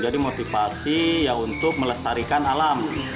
jadi motivasi ya untuk melestarikan alam